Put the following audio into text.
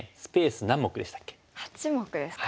８目ですか。